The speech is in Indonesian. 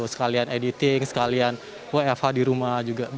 sekalian editing sekalian wfh di rumah juga